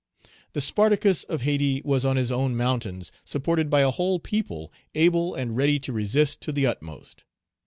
The Spartacus of Hayti was on his own mountains supported by a whole people able and ready to resist to the utmost.